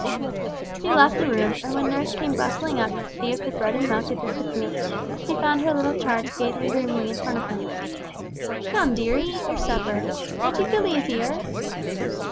She left the room and when nurse came bustling up to see if the bread and milk had disappeared she found her little charge gazing dreamily in front of him. "Come, dearie, eat your supper. Don't you feel easier?"